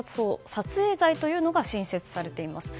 撮影罪というのが新設されています。